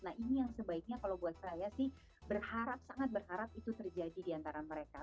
nah ini yang sebaiknya kalau buat saya sih berharap sangat berharap itu terjadi di antara mereka